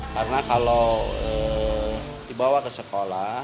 karena kalau dibawa ke sekolah